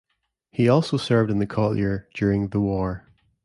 He also served in the collier during the war.